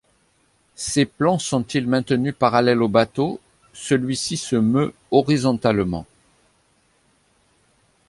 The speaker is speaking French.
Ces plans sont-ils maintenus parallèles au bateau, celui-ci se meut horizontalement.